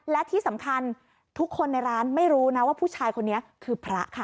และที่สำคัญทุกคนในร้านไม่รู้นะว่าผู้ชายคนนี้คือพระค่ะ